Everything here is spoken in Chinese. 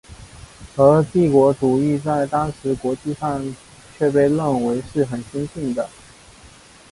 而帝国主义在当时国际上却被认为是很先进的。